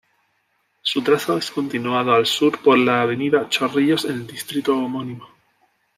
Su trazo es continuado al sur por la avenida Chorrillos en el distrito homónimo.